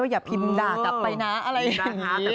อย่าพิมพ์ด่ากลับไปนะอะไรอย่างนี้